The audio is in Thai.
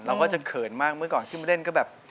เราก็จะเขินมากเมื่อก่อนขึ้นมาเล่นก็แบบ